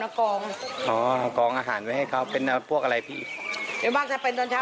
เอากองอ๋อเอากองอาหารไว้ให้เขาเป็นพวกอะไรพี่อย่างมากถ้าเป็นตอนเช้า